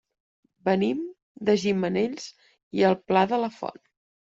Venim de Gimenells i el Pla de la Font.